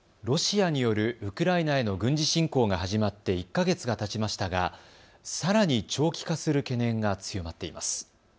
ロシアによるウクライナへの軍事侵攻が始まって１か月がたちましたがさらに長期化する懸念が強まっています。